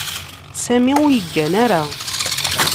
Sami ur yeggan ara.